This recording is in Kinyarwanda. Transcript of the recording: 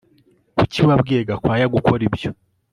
Kuki wabwiye Gakwaya gukora ibyo